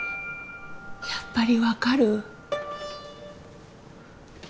やっぱり分かる？